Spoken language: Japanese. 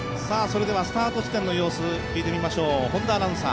スタート地点の様子、聞いてみましょう。